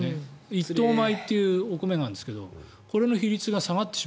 一等米というお米があるんですがこれの比率が下がると。